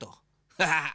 ハハハ！